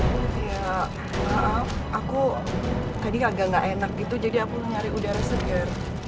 kayak maaf aku tadi agak gak enak gitu jadi aku nyari udara segar